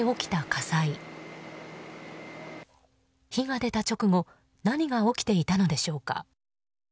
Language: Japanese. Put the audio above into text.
火が出た直後何が起きていたのでしょうか。